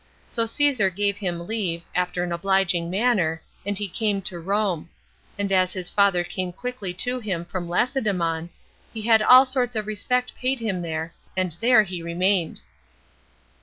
So Caesar gave him leave, after an obliging manner, and he came to Rome; and as his father came quickly to him from Lacedemon, he had all sorts of respect paid him there, and there he remained.